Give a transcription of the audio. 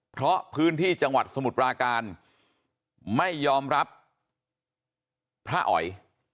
เพราะพื้นที่จังหวัดสมุทรปราการไม่ยอมรับพระอ๋อย